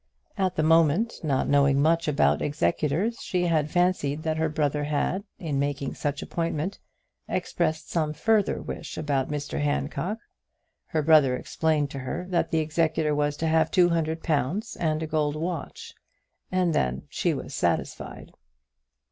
At the moment, not knowing much about executors, she had fancied that her brother had, in making such appointment, expressed some further wish about Mr Handcock. Her brother explained to her that the executor was to have two hundred pounds and a gold watch, and then she was satisfied.